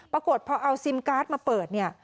ปรากฏพอเอาซิมการ์ดมาเปิดเนี่ย